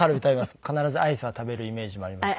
必ずアイスは食べるイメージもありますから。